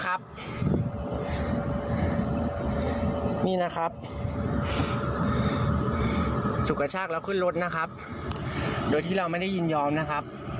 กระชากเราขึ้นรถนะครับโดยที่เราไม่ได้ยินยอมนะครับ